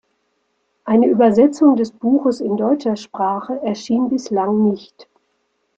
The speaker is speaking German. Eine Übersetzung des Buches in deutscher Sprache erschien bislang nicht.